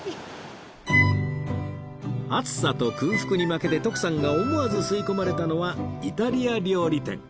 暑さと空腹に負けて徳さんが思わず吸い込まれたのはイタリア料理店